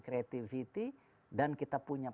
creativity dan kita punya